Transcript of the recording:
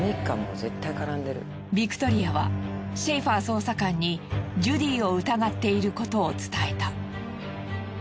ビクトリアはシェイファー捜査官にジュディを疑っていることを伝えた。